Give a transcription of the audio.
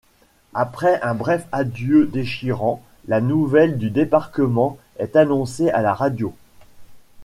Après un bref adieu déchirant, la nouvelle du Débarquement est annoncée à la radio.